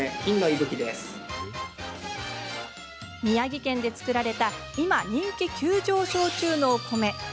宮城県で作られた今、人気急上昇中のお米。